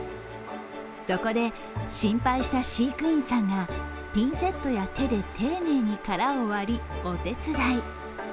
そこで心配した飼育員さんがピンセットや手で丁寧に殻を割りお手伝い。